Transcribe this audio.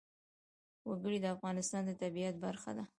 وګړي د افغانستان د طبیعت برخه ده.